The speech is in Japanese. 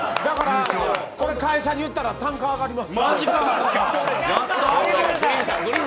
会社に行ったら単価上がります。